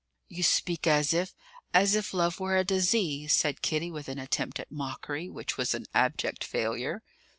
"You speak as if as if love were a disease," said Kitty, with an attempt at mockery which was an abject failure.